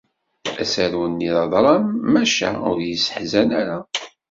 Asaru-nni d adṛam maca ur yesseḥzan ara.